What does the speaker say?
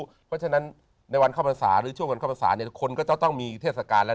เพราะฉะนั้นในวันเข้าภาษาหรือช่วงวันเข้าภาษาเนี่ยคนก็จะต้องมีเทศกาลแล้ว